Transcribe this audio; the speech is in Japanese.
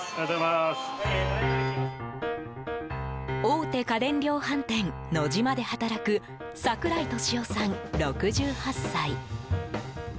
大手家電量販店、ノジマで働く櫻井敏男さん、６８歳。